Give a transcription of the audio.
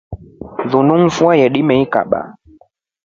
Lunu mfua yeidimekaba.